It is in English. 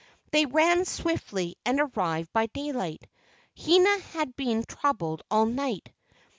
They ran swiftly and arrived by daylight. Hina had been troubled all night.